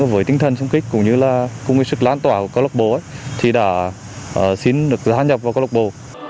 với tinh thần xung kích cũng như là cũng với sức lan tỏa của câu lạc bộ ấy thì đã xin được gia hạn nhập vào câu lạc bộ